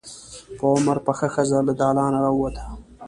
په عمر پخه ښځه له دالانه راووته.